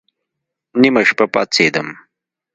نيمه شپه پاڅېدم.